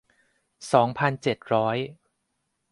สองพันเจ็ดร้อย